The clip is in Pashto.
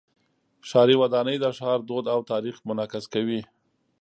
ښاري ودانۍ د ښار دود او تاریخ منعکس کوي.